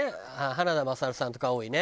花田虎上さんとか多いね。